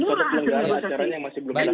itu termasuk murah